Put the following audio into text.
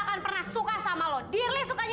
woy pelatihnya datang